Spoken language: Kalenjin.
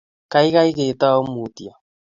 keikei ketou mutyo